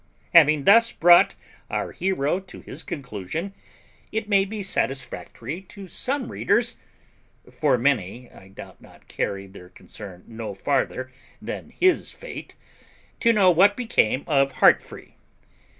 Having thus brought our hero to his conclusion, it may be satisfactory to some readers (for many, I doubt not, carry their concern no farther than his fate) to know what became of Heartfree.